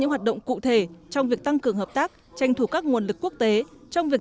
những hoạt động cụ thể trong việc tăng cường hợp tác tranh thủ các nguồn lực quốc tế trong việc